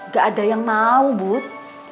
gak ada yang mau bud